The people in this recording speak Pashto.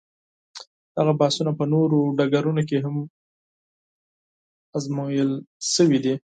دغه بحثونه په نورو ډګرونو کې هم ازمویل شوي دي.